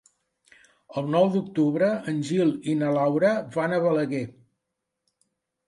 El nou d'octubre en Gil i na Laura van a Balaguer.